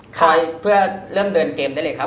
คอยเพื่อเริ่มเดินเกมได้เลยครับ